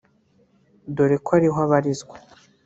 dore ko ariho abarizwa